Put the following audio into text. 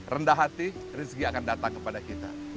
rendah hati rezeki akan datang kepada kita